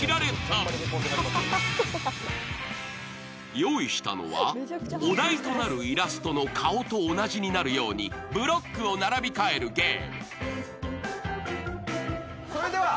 用意したのはお題となるイラストの顔と同じになるようにブロックを並び替えるゲーム。